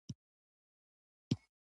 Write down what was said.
مچکه د مينې تومنه ده